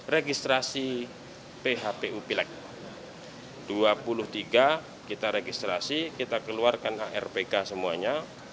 registrasi phpu pileg dua puluh tiga kita registrasi kita keluarkan hrpk semuanya